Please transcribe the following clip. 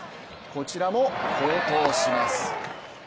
こちらも好投します。